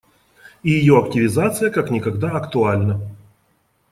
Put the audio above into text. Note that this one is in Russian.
И ее активизация как никогда актуальна.